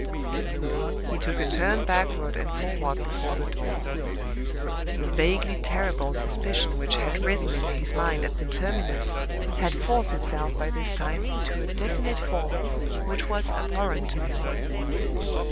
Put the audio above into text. He took a turn backward and forward before the door. The vaguely terrible suspicion which had risen in his mind at the terminus had forced itself by this time into a definite form which was abhorrent to him.